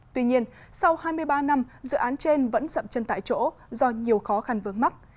tuy nhiên sau hai mươi ba năm dự án trên vẫn dậm chân tại chỗ do nhiều khó khăn vướng mắt